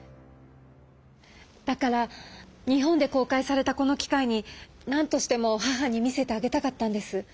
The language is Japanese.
だから日本で公開されたこの機会になんとしても母に見せてあげたかったんです。